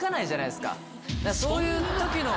そういう時の。